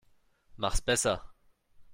Mach's besser.